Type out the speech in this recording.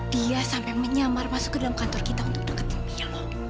dia sampai menyamar masuk ke dalam kantor kita untuk deket mobil